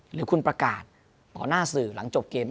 หรือคุณประกาศต่อหน้าสื่อหลังจบเกม